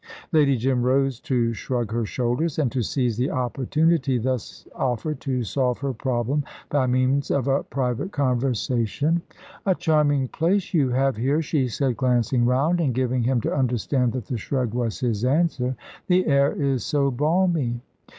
Lady Jim rose to shrug her shoulders, and to seize the opportunity thus offered to solve her problem by means of a private conversation. "A charming place you have here," she said, glancing round, and giving him to understand that the shrug was his answer; "the air is so balmy."